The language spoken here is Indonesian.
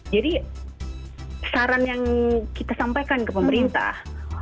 jadi saran yang kita sampaikan ke pemerintah